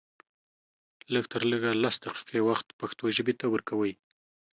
لږ تر لږه لس دقيقې وخت پښتو ژبې ته ورکوئ